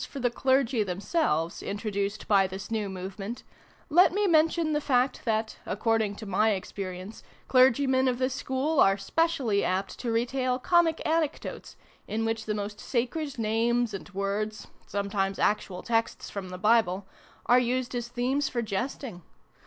for the Clergy themselves, introduced by this new movement, let me mention the fact that, according to my experi ence, Clergymen of this school are specially apt to retail comic anecdotes, in which the most sacred names and words sometimes actual texts from the Bible are used as themes for jesting.